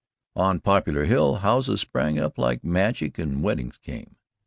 On Poplar Hill houses sprang up like magic and weddings came.